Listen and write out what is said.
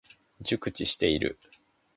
熟知している。